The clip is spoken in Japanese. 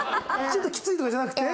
ちょっときついとかじゃなくて。